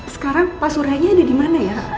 sekarang pak surya nya ada dimana ya